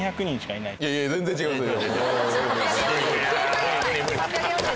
いやいや全然違いますよ